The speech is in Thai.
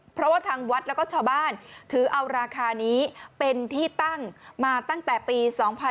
เพราะว่าทางวัดแล้วก็ชาวบ้านถือเอาราคานี้เป็นที่ตั้งมาตั้งแต่ปี๒๕๕๙